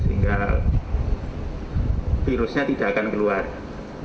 sehingga virusnya tidak akan keluar